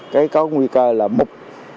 cái có nguy cơ là mục